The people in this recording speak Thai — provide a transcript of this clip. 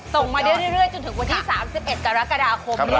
ส่งมาได้เรื่อยจนถึงวันที่๓๑กรกฎาคมนี้